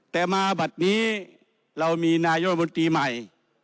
แต่มาบัตรนี้เรามีนายกบนตรีใหม่